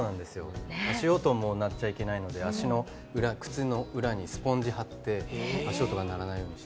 足音も鳴っちゃいけないので靴の裏にスポンジ貼って足音が鳴らないようにして。